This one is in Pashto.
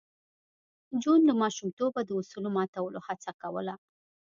جون له ماشومتوبه د اصولو ماتولو هڅه کوله